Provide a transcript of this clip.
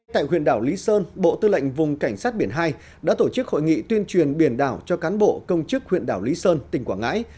tại huyện đảo lý sơn bộ tư lệnh vùng cảnh sát biển hai đã tổ chức hội nghị tuyên truyền biển đảo cho cán bộ công chức huyện đảo lý sơn tỉnh quảng ngãi